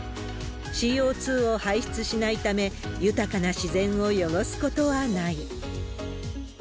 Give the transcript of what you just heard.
ＣＯ２を排出しないため、豊かな自然を汚すことはない。